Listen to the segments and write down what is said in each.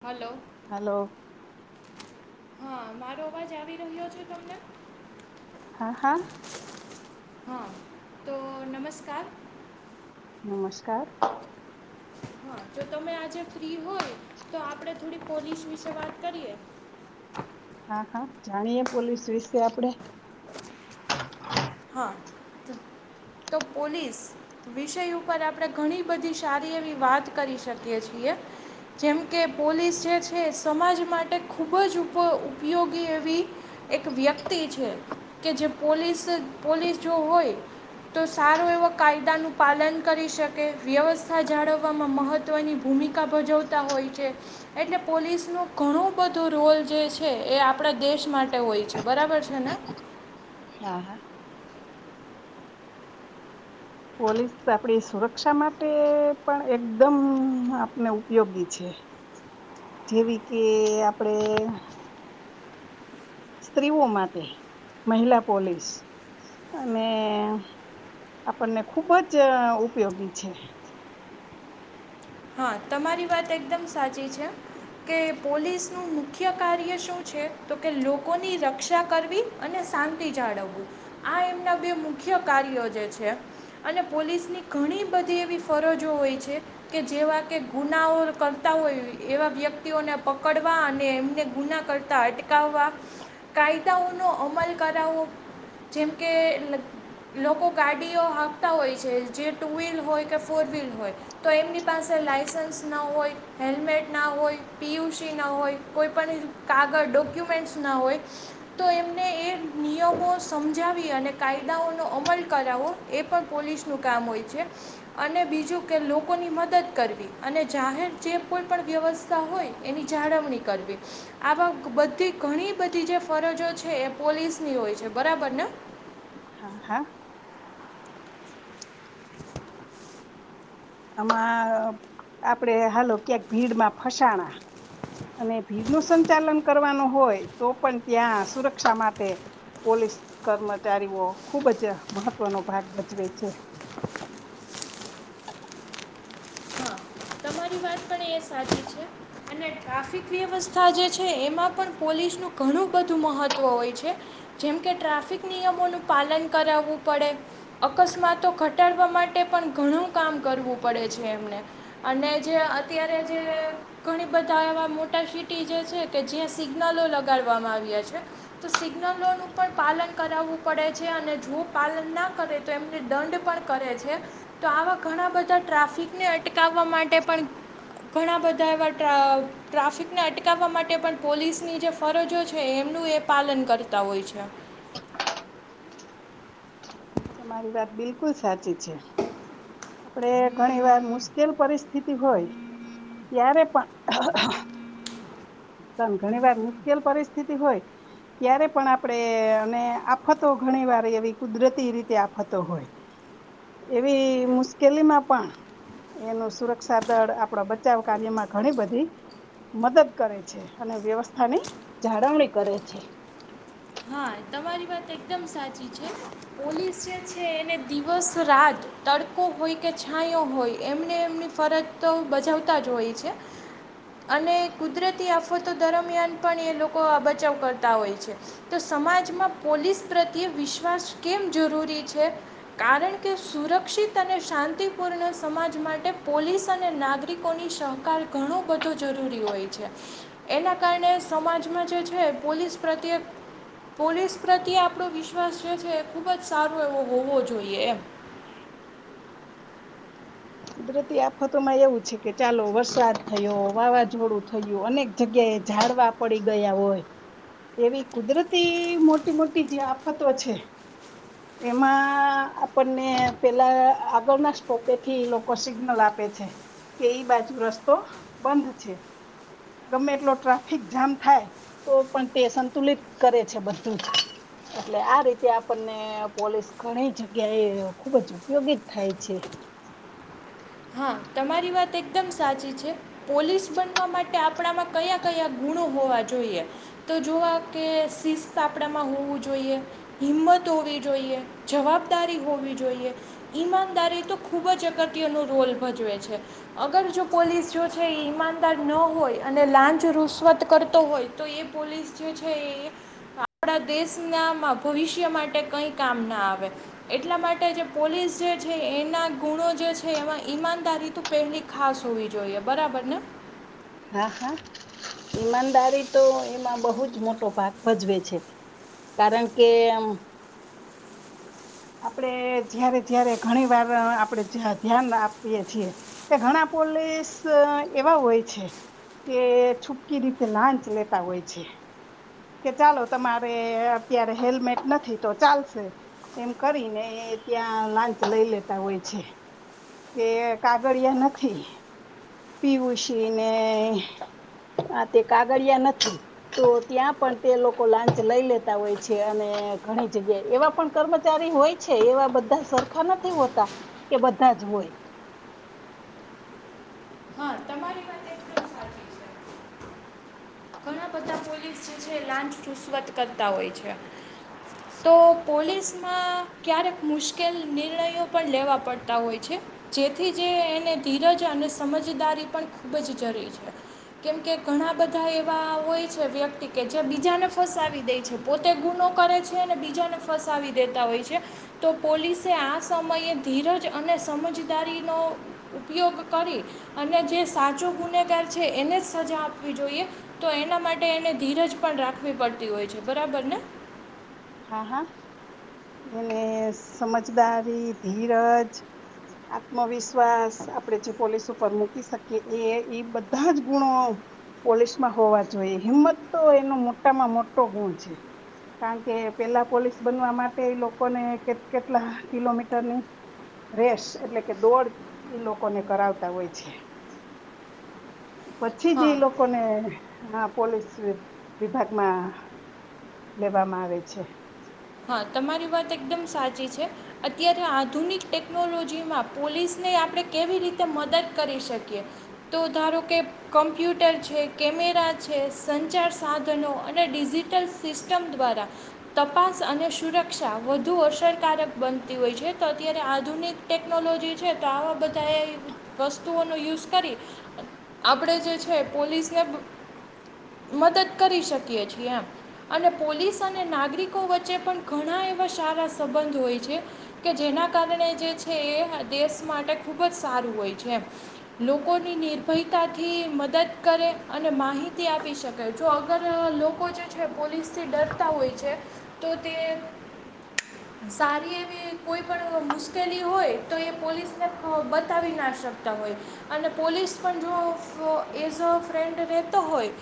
Hello. Hello. હા, મારો અવાજ આવી રહ્યો છે તમને? હા, હા. હા, તો નમસ્કાર. નમસ્કાર. હા જો તમે આજે ફ્રી હોય તો આપડે થોડી પોલીસ વિશે વાત કરીએ. હા, હા, જાણીએ પોલીસ વિશે આપડે. હા, તો પોલીસ વિષય ઉપર આપડે ઘણી બધી સારી એવી વાત કરી શકીએ છીએ. જેમ કે, પોલીસ જે છે, સમાજ માટે ખૂબ જ ઉપ ઉપયોગી એવી એક વ્યક્તિ છે, કે જે પોલીસ પોલીસ જો હોય, તો સારો એવા કાયદાનું પાલન કરી શકે. વ્યવસ્થા જાળવવામાં મહત્ત્વની ભૂમિકા ભજવતા હોય છે. એટલે પોલીસનો ઘણું બધો રોલ જે છે, એ આપડા દેશ માટે હોય છે બરાબર છે ને? હા, હા. પોલીસ આપડી સુરક્ષા માટે પણ એકદમ આપને ઉપયોગી છે. જેવી કે, આપડે સ્ત્રીઓ માટે મહિલા પોલીસ અને આપણને ખૂબ જ ઉપયોગી છે. હા, તમારી વાત એકદમ સાચી છે કે પોલીસનું મુખ્ય કાર્ય શું છે? તો કે, લોકોની રક્ષા કરવી અને શાંતિ જાળવવું. આ એમના બે મુખ્ય કાર્યો જે છે, અને પોલીસની ઘણી બધી એવી ફરજો હોય છે. કે, જેવા કે ગુનાઓ કરતા હોય એવા વ્યક્તિઓને પકડવા અને એમને ગુના કરતાં અટકાવવા કાયદાઓનો અમલ કરાવો. જેમ કે, લોકો ગાડીઓ હાંકતા હોય છે, જે ટુ- વ્હીલ હોય કે ફોર વ્હીલ હોય, તો એમની પાસે લાયસન્સ ના હોય, હેલ્મેટ ના હોય, પીયુસી ના હોય, કોઈપણ કાગળ-ડોક્યુમેન્ટ્સ ના હોય, તો એમને એ નિયમો સમજાવી અને કાયદાઓનો અમલ કરાવવો એ પણ પોલીસનું કામ હોય છે. અને બીજું કે લોકોની મ દદ કરવી અને જાહેર જે કોઈ પણ વ્યવસ્થા હોય એની જાળવણી કરવી આવા બધી ઘણી બધી જે ફરજો છે, એ પોલીસની હોય છે. બરાબર ને? હા, હા. આમાં આપડે હાલો ક્યાંક ભીડમાં ફસાણા અને ભીડ ન સંચાલન કરવાનું હોય, તો પણ ત્યાં સુરક્ષા માટે પોલીસ કર્મચારીઓ ખૂબ જ મહત્વનો ભાગ ભજવે છે. હા તમારી વાત પણ એ સાચી છે. અને ટ્રાફિક વ્યવસ્થા જે છે, એમાં પણ પોલીસનું ઘણું બધું મહત્ત્વ હોય છે. જેમ કે ટ્રાફિક નિયમોનું પાલન કરાવવું પડે, અકસ્માતો ઘટાડવા માટે પણ ઘણું કામ કરવું પડે છે એમને. અને જે અત્યારે જે ઘણી બ ધા એવા મોટા સિટી જે છે, કે જ્યાં સિગ્નલો લગાડવામાં આવ્યા છે, તો સિગ્નલોનું પણ પાલન કરાવવું પડે છે. અને જો પાલન ના કરે, તો એમને દંડ પણ કરે છે. તો આવા ઘણા બધા ટ્રાફિકને અટકાવવા માટે પણ ઘણા બધા એવા ટ્રા ટ્રાફિકને અટકાવવા માટે પણ પોલીસની જે ફરજો છે, એમનું એ પાલન કરતા હોય છે. તમારી વાત બિલકુલ સાચી છે. આપડે ઘણી વાર મુશ્કેલ પરિસ્થિતિ હોય ત્યારે પણ પણ ઘણી વાર મુશ્કેલ પરિસ્થિતિ હોય ત્યારે પણ આપડે અને આફતો ઘણી વાર એવી કુદરતી રીતે આફતો હોય. એવી મુશ્કેલીમાં પણ એનું સુરક્ષા દળ આપડા બચાવ કાર્યમાં ઘણી બધી મદદ. કરે છે. અને વ્યવસ્થાની જાળવણી કરે છે. હા તમારી વાત એકદમ સાચી છે. પોલીસ જે છે, એને દિવસ- રાત, તડકો હોય કે છાંયો હોય, એમને એમની ફરજ તો બજાવતા જ હોય છે. અને કુદરતી આફતો દરમિયાન પણ એ લોકો બચાવ કરતા હોય છે. તો સમાજમાં પોલીસ પ્રત્યે વિશ્વાસ કેમ જરૂરી? છે કારણ કે, સુરક્ષિત. અને શાંતિપૂર્ણ સમાજ માટે પોલીસ અને નાગરિકોની સહકાર ઘણો બધો જરૂરી હોય છે, એના કારણે સમાજમાં જે છે, પોલીસ પ્રત્યે પોલીસ પ્રત્યે આપણો વિશ્વાસ જે છે, એ ખુબ જ સારો એવો હોવો જોઈએ એમ. કુદરતી આફતોમાં એવું છે કે, ચાલો વરસાદ થયો, વાવાઝોડું થયું અનેક જગ્યાએ ઝાડવા પડી ગયા હોય, એવી કુદરતી મોટી મોટી જે આફતો છે. એમાં આપણને પેલા આગળના સ્ટોપેથી લોકો સિગ્નલ આપે છે કે, ઈ બાજુ રસ્તો બંધ છે, ગમે એટલો ટ્રાફિક જામ થાય. તો પણ તે સંતુલિત કરે છે, બધું જ એટલે આ રીતે આપણને પોલીસ ઘણી જગ્યાએ ખુબ જ ઉપયોગી થાય છે. હા, તમારી વાત એકદમ સાચી છે. પોલીસ બનવા માટે આપણામાં કયા કયા ગુણો હોવા જોઈએ, તો જોવા કે શિસ્ત આપણામાં હોવું જોઈએ, હિંમત હોવી જોઈએ, જવાબદારી હોવી જોઈએ, ઈમાનદારી તો ખૂબ જ અગત્યની. રોલ ભજવે છે, અગર જો પોલીસ જો છે એ ઈમાનદાર ન હોય અને લાંચ રુશવત કરતો હોય તો, એ પોલીસ જે છે, એ આપણા દેશનામાં ભવિષ્ય માટે કંઈ કામ ના આવે, એટલા માટે જે પોલીસ જે છે, એના ગુણો જે છે, એમાં ઈમાનદારી તો પહેલી ખાસ હોવી જોઈએ, બરાબર ને. હા, હા, ઈમાનદારી તો એમાં બહુ જ મોટો ભાગ ભજવે છે, કારણ કે આમ આપડે જયારે જયારે ઘણી વાર આપડે ધ્યાન આપીએ છીએ કે, ઘણા પોલીસ એવા હોય છે, કે છૂપકી રીતે લાંચ લેતા હોય છે, કે ચાલો તમારે અત્યારે હેલ્મેટ નથી તો ચાલશે. એમ કરીને ત્યાં લાંચ લઈ લેતા હોય છે કે, કાગળિયા નથી પીવુસી ને આ તે કાગળિયા નથી, તો ત્યાં પણ તે લોકો લાંચ લઈ લેતા હોય છે, અને ઘણી જગ્યાએ એવા પણ કર્મચારી હોય છે, એવા બધા સરખા નથી હોતા, કે બધા જ હોય. હા તમારી વાત એકદમ સાચી છે ઘણા બધા પોલીસ જે લાંચ ચુસવત કરતા હોય છે, તો પોલીસમાં ક્યારેક મુશ્કેલ નિર્ણયો પણ લેવા પડતા હોય છે, જેથી જે એને ધીરજ અને સમજદારી પણ ખૂબ જ જરૂરી છે, કેમકે, ઘણા બધા એવા હોય છે વ્યક્તિ કે જે બીજાને ફસાવી દે છે, પોતે ગુનો કરે છે, અને બીજાને ફસાવી દેતા હોય છે, તો પોલીસે આ સમયે ધીરજ અને સમજદારીનો ઉપયોગ કરી અને જે સાચો ગુનેગાર છે, અને જ સજા આપવી જોઈએ, તો એના માટે એને ધીરજ પણ રાખવી પડતી હોય છે, બરાબર ને! હા, હા, એને સમજદારી ધીરજ આત્મવિશ્વાસ આપણેે જે પોલીસ ઉપર મૂકી શકીએ, એ એ બધા જ ગુણો પોલીસમાં હોવા જોઈએ, હિંમત તો એનો મોટામાં મોટો ગુણ છે, કારણ કે કે પેલા પોલીસ બનવા માટે એ લોકોને કે કેટલા કિલોમીટરની રેસ એટલે કે દોડ ઈ લોકોને કરાવતા હોય છે. પછી જ હા એ લોકો ને હા પોલીસ વિભાગમાં લેવામાં આવે છે. હા તમારી વાત એકદમ સાચી છે અત્યારે આધુનિક ટેકનોલોજીમાં પોલીસને આપણે કેવી રીતે મદદ કરી શકીએ તો ધારો કે કમ્પ્યુટર છે કેમેરા છે સંચાર સાધનો અને ડિજિટલ સિસ્ટમ દ્વારા તપાસ. અને સુરક્ષા વધુ અસરકારક બનતી હોય છે તો અત્યારે આધુનિક ટેકનોલોજી છે તો આવા બધા એ વસ્તુઓનો યુઝ કરી આપણે જે છે પોલીસ એ મદદ કરી શકીએ છીએ એમ અને પોલીસ અને નાગરિક. લોકો વચ્ચે પણ ઘણા એવા સારા સંબંધ હોય છે કે જેના કારણે જે છે એ દેશ માટે ખૂબ જ સારું હોય છે એમ લોકોની નિર્ભયતાથી મદદ કરે અને માહિતી આપી શકે જો અગર લોકો જે છે પોલીસથી ડરતા હોય છે. તો તે સારી એવી કોઈ પણ મુશ્કેલી હોય તો એ પોલીસને બતાવી ના શકતા હોય અને પોલીસ પણ જો એઝ અ ફ્રેન્ડ રહેતો હોય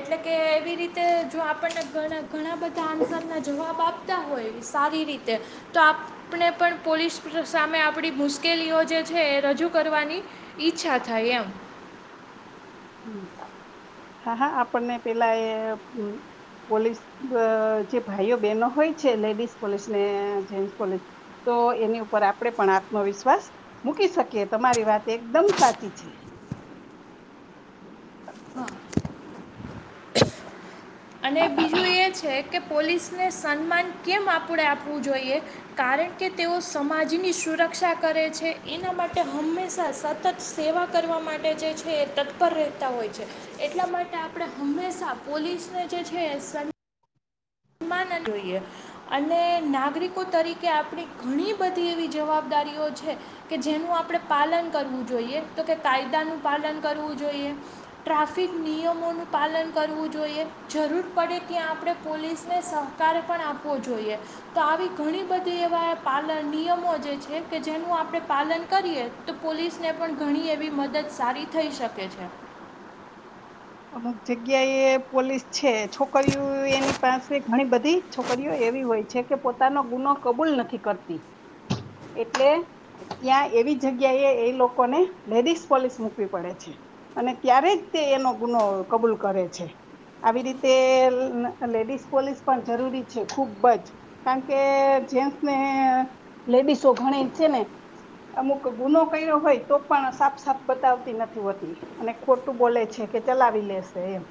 એટલે કે એવી રીતે જો આપણને ઘણા બધા આન્સરના. જવાબ આપ આપતા હોય સારી રીતે. તો આપણે પણ પોલીસ સામે આપણી મુશ્કેલીઓ જે છે એ રજૂ કરવાની ઈચ્છા થાય એમ. હા હા આપણને પેલા એ પોલીસ જે ભાઈઓ બહેનો હોય છે લેડીસ પોલીસ ને જેસ પોલીસ તો એની ઉપર આપડે પણ આત્મવિશ્વાસ મૂકી શકીએ તમારી વાત એકદમ સાચી છે. હા [unintelligible] અને બીજું એ છે કે પોલીસને સન્માન કેમ આપણે આપવું જોઈએ કારણ કે તેઓ સમાજની સુરક્ષા કરે છે એના માટે હંમેશા સતત સેવા કરવા માટે જે છે એ તત્પર રહેતા હોય છે એટલા માટે આપણે હંમેશા પોલીસને. ્ છે [unintelligible] ન જોઈએ અને નાગરિકો તરીકે આપણી ઘણી બધી એવી જવાબદારીઓ છે કે જેનું આપણે પાલન કરવું જોઈએ તો કે કાયદાનું પાલન કરવું જોઈએ ટ્રાફિક નિયમોનું પાલન કરવું જોઈએ જરૂર પડે ત્યાં આપણે પોલીસ. ને સહકાર પણ આપવો જોઈએ તો આવી ઘણી બધી એવા પાલ નિયમો જે છે કે જેનું આપણે પાલન કરીએ તો પોલીસને પણ ઘણી એવી મદદ સારી થઈ શકે છે. અમુક જગ્યા એ પોલીસ છે છોકરીઓ એની પાસે ઘણી બધી છોકરીઓ એવી હોય છે કે પોતાનો ગુનો કબૂલ નથી કરતી એટલે ત્યાં એવી જગ્યા એ એ લોકોને લેડીઝ પોલીસ મૂકવી પડે છે અને ત્યારે જ તે એનો. ગુનો કબૂલ કરે છે આવી રીતે લેડીસ પોલીસ પણ જરૂરી છે ખુબ જ કારણ કે જેસને લેડીસો ગણી છે ને અમુક ગુનો કર્યો હોય તો પણ સાફ સાફ બતાવતી નથી હોતી અને ખોટું બોલે છે. કે ચલાવી લેશે એમ.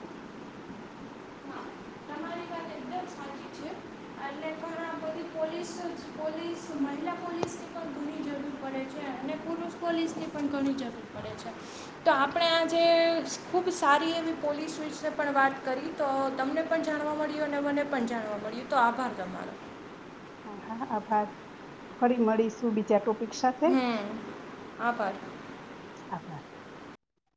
હા, તમારી વાત એકદમ સાચી છે એટલે સુ મહરિલા પોલીસની પણ ગૂરી જડું. પોલીસને પણ કણી. તો આપણે આજે ખુબ સારી એવી પોલીસ વિશે પણ વાત કરી તો તમને પણ જાણવા મળ્યું અને મને પણ જાણવા મળ્યું તો આભાર તમારો. હા હા આભાર ફરી મળીશું બીજા ટોપિક. સાથે હમ આભાર. આભાર